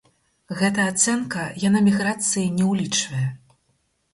Гэта ацэнка, яна міграцыі не ўлічвае.